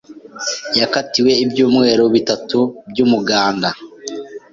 yakatiwe ibyumweru bitatu by'umuganda.